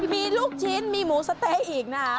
มีลูกชิ้นมีหมูสะเต๊ะอีกนะ